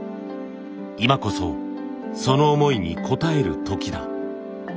今こそその思いに応える時だ。